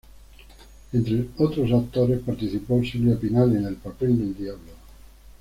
Entre otros actores, participó Silvia Pinal en el papel del diablo.